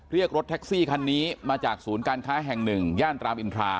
เรียกรถแท็กซี่คันนี้มาจากศูนย์การค้าแห่งหนึ่งย่านรามอินทรา